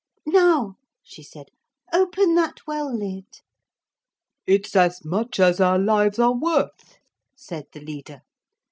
'Now,' she said, 'open that well lid.' 'It's as much as our lives are worth,' said the leader.